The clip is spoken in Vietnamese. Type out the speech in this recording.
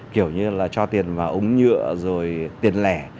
kiểu như là cho tiền vào úng nhựa rồi tiền lẻ